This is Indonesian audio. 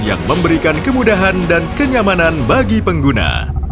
yang memberikan kemudahan dan kenyamanan bagi pengguna